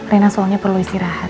reina soalnya perlu istirahat